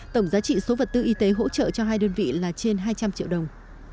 tổng giá trị số vật tư y tế hỗ trợ cho hai đơn vị là trên hai trăm linh triệu đồng